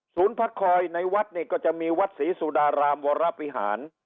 พักคอยในวัดนี่ก็จะมีวัดศรีสุดารามวรวิหาร